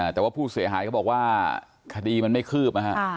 แต่ว่าผู้เสียหายเขาบอกว่าคดีมันไม่คืบนะฮะ